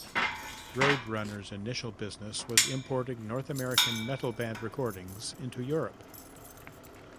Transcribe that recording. Roadrunner's initial business was importing North American metal-band recordings into Europe.